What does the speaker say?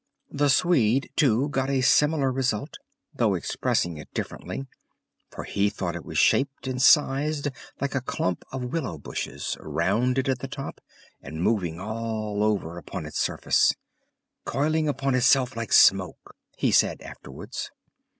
The Swede, too, got a similar result, though expressing it differently, for he thought it was shaped and sized like a clump of willow bushes, rounded at the top, and moving all over upon its surface—"coiling upon itself like smoke," he said afterwards.